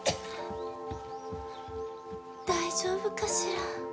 大丈夫かしら？